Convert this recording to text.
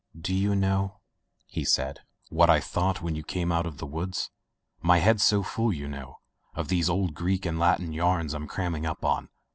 "Do you know," he said, "what I thought when you came out of the woods ? My head's so full, you know, of these old Greek and Latin yarns Fm cramming up on.